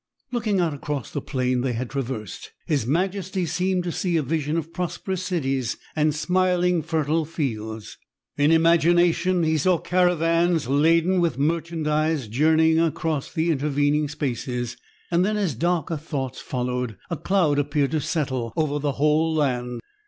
Looking out across the plain they had traversed, his majesty seemed to see a vision of prosperous cities and smiling fertile fields. In imagination, he saw caravans laden with merchandise journeying across the intervening spaces. Then, as darker thoughts followed, a cloud appeared to settle over the whole land.